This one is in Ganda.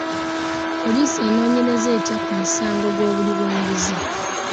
Poliisi enoonyereza etya ku musango gw'obuli bw'enguzi?